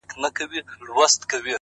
علم د انسان فکر ژوروي!